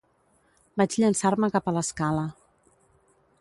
Vaig llançar-me cap a l’escala.